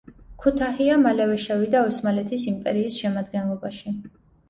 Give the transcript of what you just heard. ქუთაჰია მალევე შევიდა ოსმალეთის იმპერიის შემადგენლობაში.